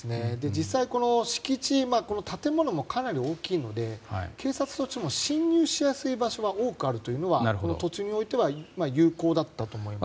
実際、建物もかなり大きいので警察も侵入しやすい場所が多くあるというのが突入においては有効だったと思います。